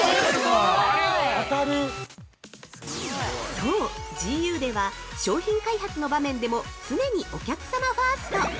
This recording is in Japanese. ◆そう、ＧＵでは商品開発の場面でも常にお客様ファースト。